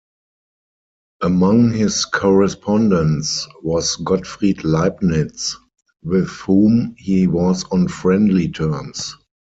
Among his correspondents was Gottfried Leibniz, with whom he was on friendly terms.